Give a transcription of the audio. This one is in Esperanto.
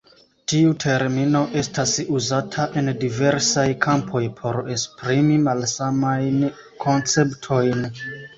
Tiu termino estas uzata en diversaj kampoj por esprimi malsamajn konceptojn.